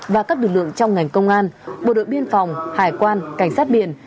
và các lực lượng trong ngành công an bộ đội biên phòng hải quan cảnh sát biển